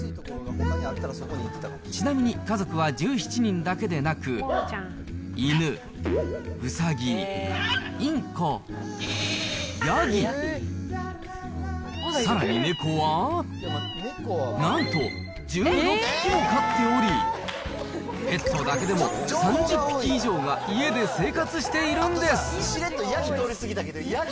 ちなみに家族は１７人だけでなく、犬、ウサギ、インコ、ヤギ、さらに猫は、なんと１６匹も飼っており、ペットだけでも３０匹以上が家で生活しているんです。